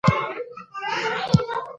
زما د اشتبا تاوان تاته نه رسي.